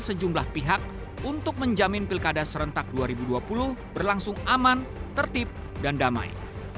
sejumlah pihak untuk menjamin pilkada serentak dua ribu dua puluh berlangsung aman tertib dan damai